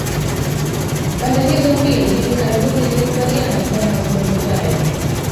pande hizo mbili hivi karibuni zilikubaliana kufanya mazungumzo hayo